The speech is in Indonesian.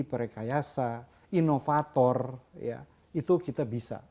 perekayasa inovator ya itu kita bisa